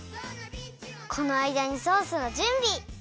このあいだにソースのじゅんび。